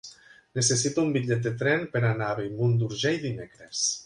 Necessito un bitllet de tren per anar a Bellmunt d'Urgell dimecres.